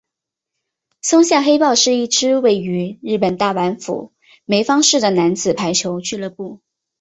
松下黑豹是一支位于日本大阪府枚方市的男子排球俱乐部。